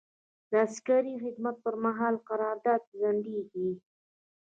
د عسکري خدمت پر مهال قرارداد ځنډیږي.